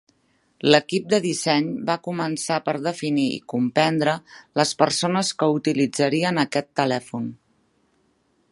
L'equip de disseny va començar per definir i comprendre les persones que utilitzarien aquest telèfon.